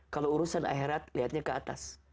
kalau urusan akhirat lihatnya ke atas